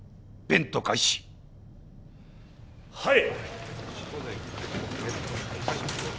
はい！